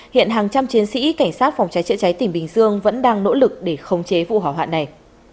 hiện hàng trăm chiến sĩ cảnh sát phòng cháy chữa cháy tỉnh bình dương vẫn đang nỗ lực để khống chế vụ hỏa hoạn này